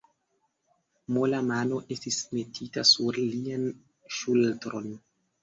Mola mano estis metita sur lian ŝultron.